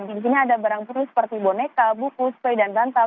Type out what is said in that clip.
di sini ada barang bukti seperti boneka buku sp dan bantal